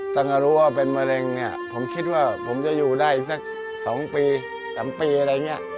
ตรงรัวเป็นมะเร็งผมคิดว่าผมจะอยู่ได้สัก๒๓ปีอะไรอย่างนี้